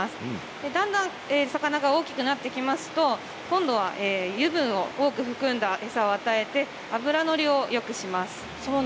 だんだん魚が大きくなっていきますと油分を多く含んだ餌を与えて脂乗りをよくします。